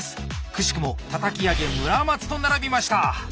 くしくもたたき上げ村松と並びました。